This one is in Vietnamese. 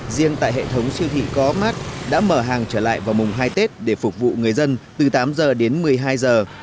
riêng tại hệ thống siêu thị có mát đã mở hàng trở lại vào mùng hai tết để phục vụ người dân từ tám giờ đến một mươi hai giờ